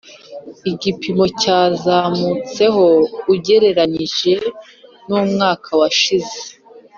igipimo cyazamutseho ugereranije n umwaka washize